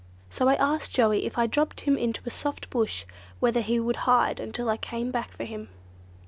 So I asked Joey if I dropped him into a soft bush whether he would hide until I came back for him.